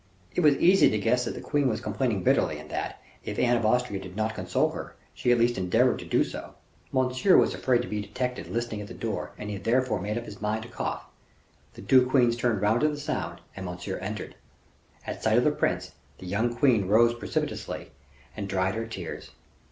It was easy to guess that the queen was complaining bitterly, and that, if Anne of Austria did not console her, she at least endeavored to do so. Monsieur was afraid to be detected listening at the door and he therefore made up his mind to cough; the two queens turned round at the sound and Monsieur entered. At sight of the prince, the young queen rose precipitately, and dried her tears.